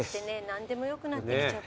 何でもよくなってきちゃった。